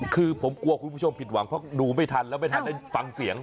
คือผมกลัวคุณผู้ชมผิดหวังเพราะดูไม่ทันแล้วไม่ทันได้ฟังเสียง